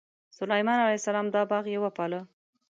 سلیمان علیه السلام دا باغ یې وپاله.